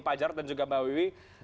pak jarod dan juga mbak wiwi